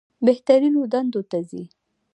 بهترینو دندو ته ځي.